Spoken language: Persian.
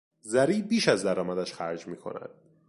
زری بیش از درآمدش خرج میکند.